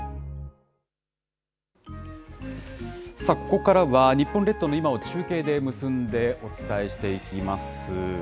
さあ、ここからは日本列島の今を中継で結んで、お伝えしていきます。